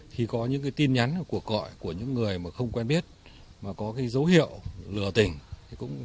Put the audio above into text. thì có những tin nhắn của cõi của những người không quen biết mà có dấu hiệu lừa tình